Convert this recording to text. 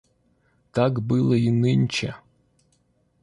Так было и нынче.